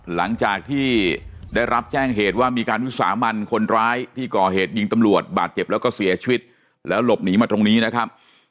หลังจากที่ได้รับแจ้งเหตุว่ามีการวิสามันคนร้ายที่ก่อเหตุยิงตำรวจบาดเจ็บแล้วก็เสียชีวิตแล้วหลบหนีมาตรงนี้นะครับ